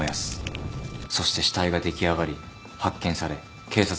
そして死体が出来上がり発見され警察が来る。